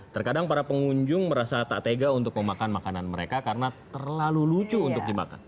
terkadang para pengunjung merasa tak tega untuk memakan makanan mereka karena terlalu lucu untuk dimakan